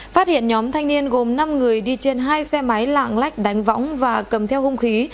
phát hiện nhóm thanh niên gồm năm người đi trên hai xe máy lạng lách đánh võng và cầm theo hung khí